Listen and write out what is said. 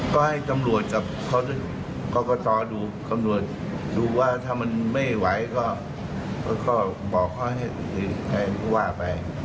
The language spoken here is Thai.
ก็ให้ตำรวจกับกรกตดูตำรวจดูว่าถ้ามันไม่ไหวก็บอกเขาให้ผู้ว่าไป